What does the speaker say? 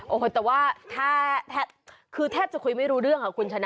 โอ้โหแต่ว่าคือแทบจะคุยไม่รู้เรื่องค่ะคุณชนะ